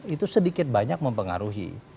itu sedikit banyak mempengaruhi